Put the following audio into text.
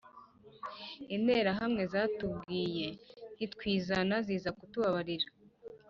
Interahamwe zatubwiye nitwizana ziza kutubabarira